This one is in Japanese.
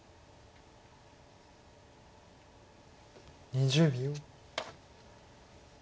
２０秒。